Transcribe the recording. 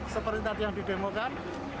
seperti tadi yang dibemokan